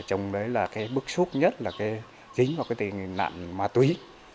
trong đấy là cái bức xúc nhất là cái dính vào cái tình nạn ma túy